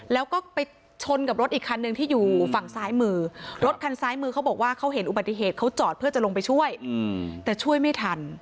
แล้วก็ไปชนกับรถอีกคันหนึ่งที่อยู่ฝั่งซ้ายมือบอกว่าเขาเห็นอุบัติเหตุเขาต่อเข้าจอดเพื่อจะลงไปช่วยแต่ช่วยไม่ทัน